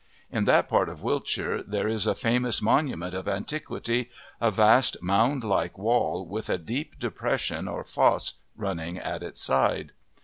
In that part of Wiltshire there is a famous monument of antiquity, a vast mound like wall, with a deep depression or fosse running at its side.